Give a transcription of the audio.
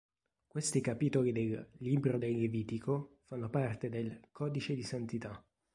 Questi capitoli del "Libro del Levitico" fanno parte del "Codice di Santità".